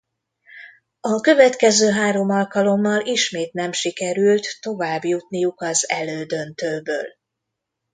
A következő három alkalommal ismét nem sikerült továbbjutniuk az elődöntőből.